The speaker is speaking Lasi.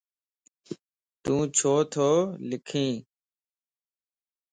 تون ڇو تو لکائين؟